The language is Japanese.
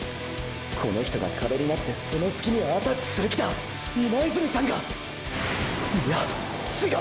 この人がカベになってそのスキにアタックする気だ今泉さんが！！いやちがう！！